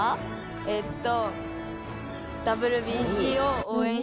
えっと。